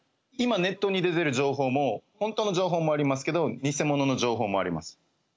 今ネットに出てる情報も本当の情報もありますけど偽物の情報もあります。